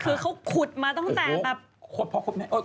คือเขาขุดมาตั้งแต่แบบ